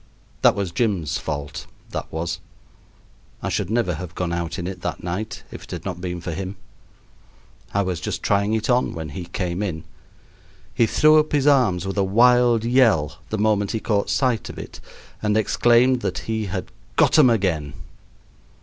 That was Jim's fault, that was. I should never have gone out in it that night if it had not been for him. I was just trying it on when he came in. He threw up his arms with a wild yell the moment he caught sight of it, and exclaimed that he had "got 'em again!"